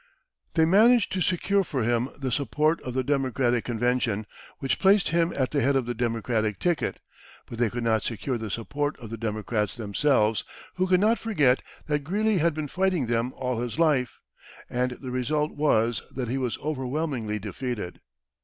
They managed to secure for him the support of the Democratic convention, which placed him at the head of the Democratic ticket, but they could not secure the support of the Democrats themselves, who could not forget that Greeley had been fighting them all his life; and the result was that he was overwhelmingly defeated.